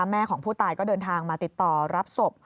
แม่ของผู้ตายก็เดินทางมาติดต่อรับศพ